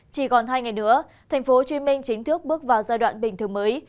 chỉ còn hai ngày nữa tp hcm chính thức bước vào giai đoạn bình thường mới